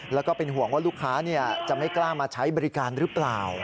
แล้วก็เป็นห่วงว่าลูกค้าจะไม่กล้ามาใช้บริการหรือเปล่า